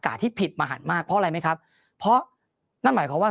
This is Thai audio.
ที่ผิดมหันมากเพราะอะไรไหมครับเพราะนั่นหมายความว่า